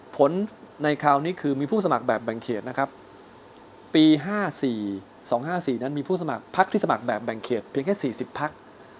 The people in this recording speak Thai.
ในคราวนี้คือมีผู้สมัครแบบแบ่งเขตนะครับปี๕๔๒๕๔นั้นมีผู้สมัครพักที่สมัครแบบแบ่งเขตเพียงแค่๔๐พัก